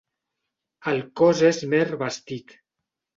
El cos és mer vestit.